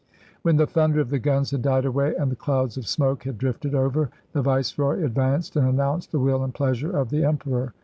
When the thunder of the guns had died away, and the clouds of smoke had drifted over, the Viceroy advanced and announced the will and pleasure of the Emperor.